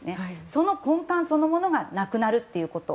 その根幹そのものがなくなるということ。